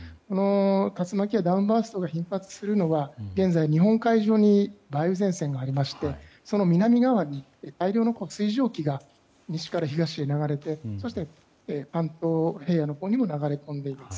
竜巻やダウンバーストが頻発するのは現在、日本海上に梅雨前線がありましてその南側に大量の水蒸気が西から東へ流れてそして、関東平野のほうにも流れ込んでいます。